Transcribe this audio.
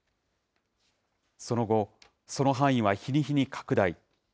その後、その範囲は日に日に拡大。